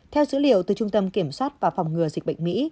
theo dữ liệu từ trung tâm kiểm soát và phòng ngừa dịch bệnh mỹ